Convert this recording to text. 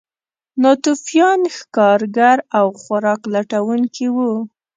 ناتوفیان ښکارګر او خوراک لټونکي وو.